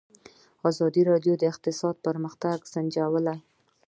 ازادي راډیو د اقتصاد پرمختګ سنجولی.